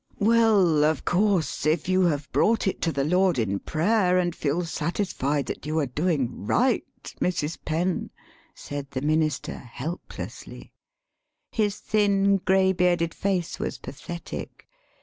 "Well, of course, if you have brought it to the Lord in prayer, and feel satisfied that you are doing right, Mrs. Penn," [said the minister, helplessly. His thin, gray bearded face was pathetic.